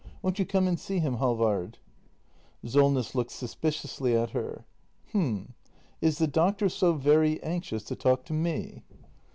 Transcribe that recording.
Won't you come and see him, Halvard ? Solness. [Looks suspiciously at her.] H'm — is the doctor so very anxious to talk to me?